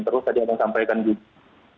terus tadi saya sampaikan juga